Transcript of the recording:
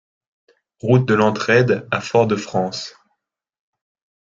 Route de l'Entraide à Fort-de-France